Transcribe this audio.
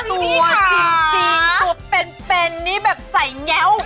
ตัวจริงตัวเป็นนี่แบบใส่แง้ว